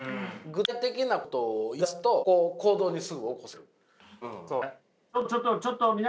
具体的なことを言いだすと行動にすぐ起こせる。